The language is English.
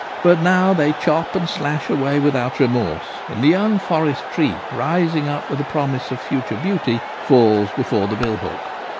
But now they chop and slash away without remorse, and the young forest tree rising up with a promise of future beauty falls before the billhook.